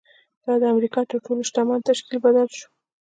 دا د امریکا تر تر ټولو شتمن تشکیل بدل شو